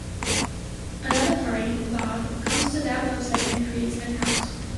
Another party, Bob, comes to that website and creates an account.